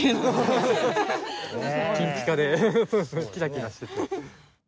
金ピカでキラキラしてて。